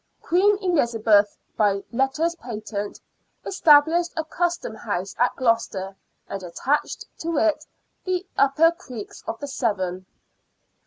Queen Eliza beth, by letters patent, established a Custom House at Gloucester, and attached to it the other upper creeks of the Severn.